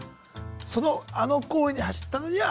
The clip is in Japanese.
そのあの行為に走ったのには。